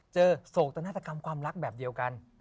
โศกตนาฏกรรมความรักแบบเดียวกัน